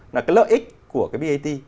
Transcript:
là cái lợi ích của cái bat